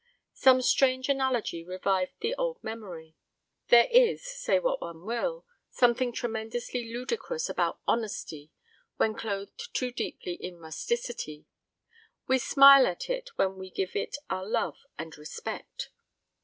Some strange analogy revived the old memory. There is say what one will something tremendously ludicrous about honesty when clothed too deeply in rusticity. We smile at it while we give it our love and respect.